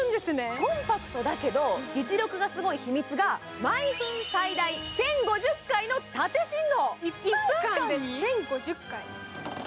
コンパクトだけど実力がすごい秘密が毎分最大１０５０回の縦振動。